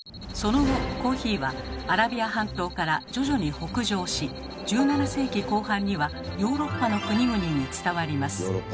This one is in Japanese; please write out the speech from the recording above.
その後コーヒーはアラビア半島から徐々に北上し１７世紀後半にはヨーロッパの国々に伝わります。